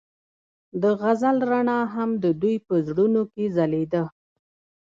د غزل رڼا هم د دوی په زړونو کې ځلېده.